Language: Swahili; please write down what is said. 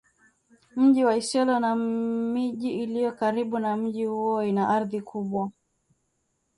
mji wa Isiolo na miji iliyo karibu na mji huo ina ardhi kubwa